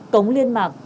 cống liên mạc